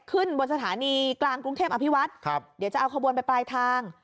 ขึ้นบนสถานีกลางกรุงเทพอภิวัฒน์ครับเดี๋ยวจะเอาขบวนไปปลายทาง